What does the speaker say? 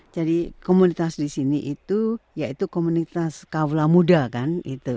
jadi komunitas di sini itu yaitu komunitas kawla muda kan